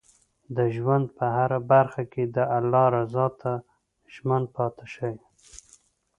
د ژوند په هره برخه کې د الله رضا ته ژمن پاتې شئ.